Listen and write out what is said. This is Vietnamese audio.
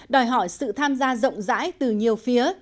đòi hỏi sự tham gia rộng rãi từ nhiều phía